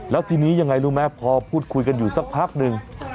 แล้วทีนี้ยังไงรู้ไหมพอพูดคุยกันอยู่สักพักหนึ่ง